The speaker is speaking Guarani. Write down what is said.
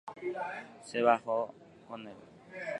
Oguejy añaretãme.